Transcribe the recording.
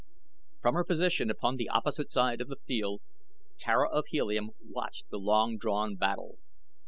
From her position upon the opposite side of the field Tara of Helium watched the long drawn battle.